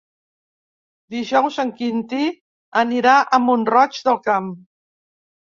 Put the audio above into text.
Dijous en Quintí anirà a Mont-roig del Camp.